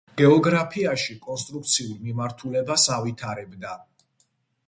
გეოგრაფიაში კონსტრუქციულ მიმართულებას ავითარებდა.